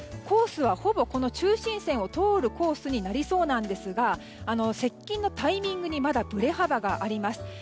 コースはほぼ中心線を通るコースになりそうですが接近のタイミングにまだ振れ幅があります。